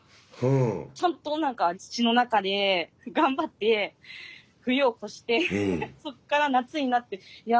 ちゃんと何か土の中で頑張って冬を越してそこから夏になっていや